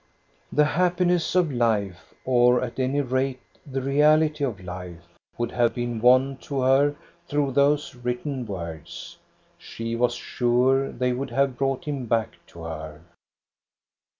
" The happiness of life, or at any rate the reality of life, would have been won to her through those written words. She was sure they would have brought him back to her.